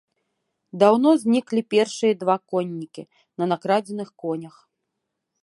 Даўно зніклі першыя два коннікі на накрадзеных конях.